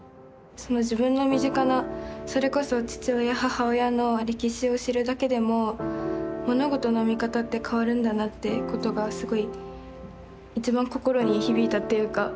自分の身近なそれこそ父親母親の歴史を知るだけでも物事の見方って変わるんだなってことがすごい一番心に響いたというか。